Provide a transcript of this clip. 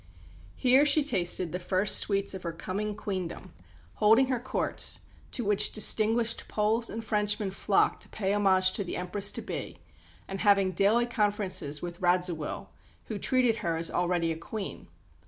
Here she tasted the first sweets of her coming Queendom holding her Courts, to which distinguished Poles and Frenchmen flocked to pay homage to the Empress to be, and having daily conferences with Radziwill, who treated her as already a Queen.